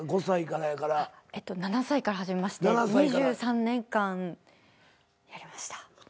７歳から始めまして２３年間やりました。